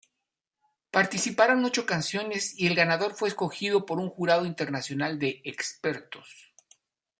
Participaron ocho canciones y el ganador fue escogido por un jurado internacional de "expertos".